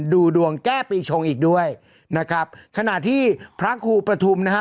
ดูดวงแก้ปีชงอีกด้วยนะครับขณะที่พระครูประทุมนะฮะ